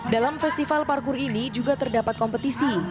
dalam festival parkur ini juga terdapat kompetisi